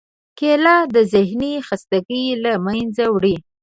کېله د ذهنی خستګۍ له منځه وړي.